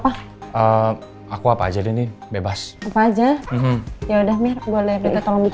aku apa aja bebas aja ya udah boleh